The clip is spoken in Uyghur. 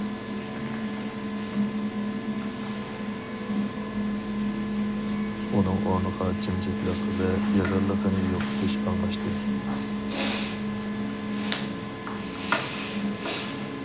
ئۇنىڭ ئورنىغا جىمجىتلىق ۋە ئېغىرلىقىنى يوقىتىش ئالماشتى.